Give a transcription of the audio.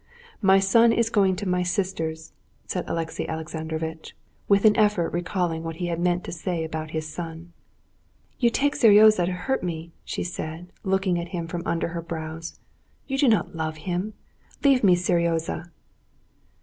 My son is going to my sister's," said Alexey Alexandrovitch, with an effort recalling what he had meant to say about his son. "You take Seryozha to hurt me," she said, looking at him from under her brows. "You do not love him.... Leave me Seryozha!"